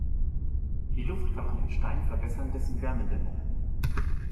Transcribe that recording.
Die Luftkammern im Stein verbessern dessen Wärmedämmung.